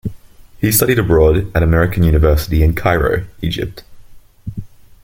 He studied abroad at American University in Cairo, Egypt.